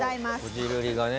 こじるりがね